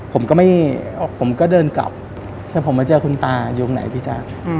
ผมก็ไม่ผมก็เดินกลับถ้าผมมาเจอคุณตาอยู่ตรงไหนพี่จ๊ะอืม